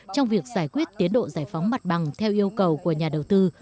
trong việc giải quyết tiến độ giải phóng mặt bằng theo yêu cầu của nhà đầu tư